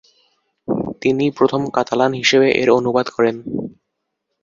তিনিই প্রথম কাতালান হিসেবে এর অনুবাদ করেন।